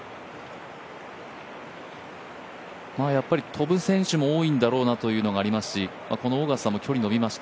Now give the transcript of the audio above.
飛ぶ選手も多いんだろうなというのがありますし、オーガスタも距離、のびます。